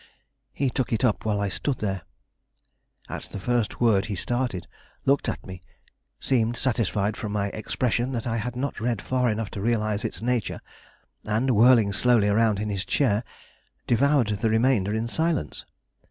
He took it up while I stood there. At the first word he started, looked at me, seemed satisfied from my expression that I had not read far enough to realize its nature, and, whirling slowly around in his chair, devoured the remainder in silence.